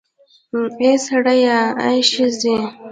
اې سړیه, آ ښځې